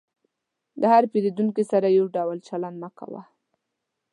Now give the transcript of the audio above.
د هر پیرودونکي سره یو ډول چلند مه کوه.